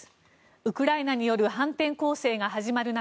ウクライナによる反転攻勢が始まる中